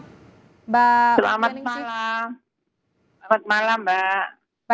selamat malam selamat malam mbak